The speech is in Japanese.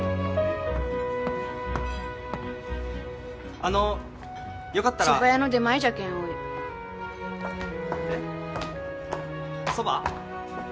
あのよかったらそば屋の出前じゃけんおいえっそば？